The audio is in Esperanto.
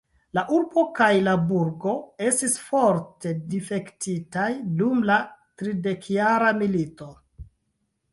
La urbo kaj la burgo estis forte difektitaj dum la tridekjara milito.